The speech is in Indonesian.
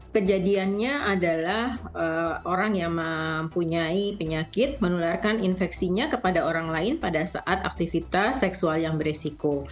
kejadiannya adalah orang yang mempunyai penyakit menularkan infeksinya kepada orang lain pada saat aktivitas seksual yang beresiko